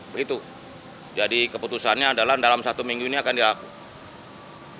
begitu jadi keputusannya adalah dalam satu minggu ini akan dilakukan